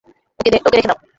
ওকে রেখে দাও।